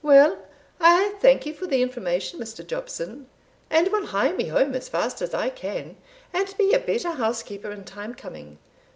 "Well, I thank you for the information, Mr. Jobson, and will hie me home as fast as I can, and be a better housekeeper in time coming.